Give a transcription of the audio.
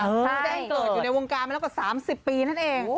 แจ้งเกิดอยู่ในวงการมาแล้วกว่า๓๐ปีนั่นเอง